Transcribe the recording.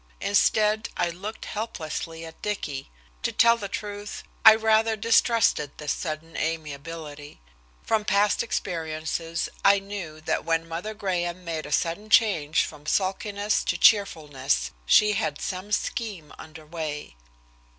Instead I looked helplessly at Dicky. To tell the truth, I rather distrusted this sudden amiability. From past experiences, I knew that when Mother Graham made a sudden change from sulkiness to cheerfulness, she had some scheme under way.